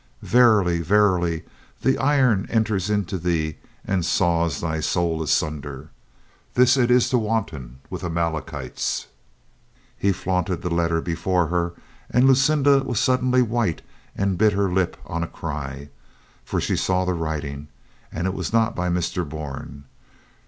"Verily, verily, the iron enters into thee and saws thy soul asunder. This it is to wanton with Amalekites." He flaunted the letter before her, and Lucinda was 92 COLONEL GREATHEART suddenly white and bit her lip on a cry. For she saw the writing, and it was not by Mr. Bourne.